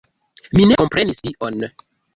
Mi ne komprenis tion.